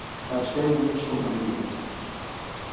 Vaig fer un mig somriure.